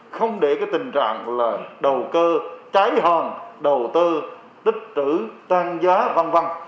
không để cái tình trạng là đầu cơ trái hoàn đầu tư tích chữ tan giá văn văn